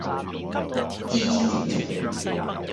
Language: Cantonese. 姿姿整整